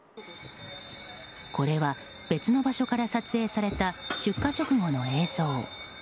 これは別の場所から撮影された出火直後の映像。